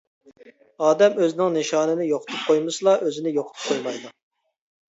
ئادەم ئۆزىنىڭ نىشانىنى يوقىتىپ قويمىسىلا ئۆزىنى يوقىتىپ قويمايدۇ.